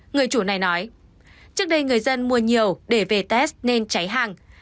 người chủ này nói trước đây người dân mua nhiều để về test nên cháy hàng